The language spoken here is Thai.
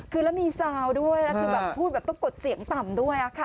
คือแล้วมีซาวด้วยแล้วคือแบบพูดแบบต้องกดเสียงต่ำด้วยค่ะ